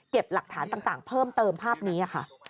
หลักฐานต่างเพิ่มเติมภาพนี้ค่ะ